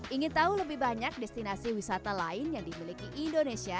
ingin tahu lebih banyak destinasi wisata lain yang dimiliki indonesia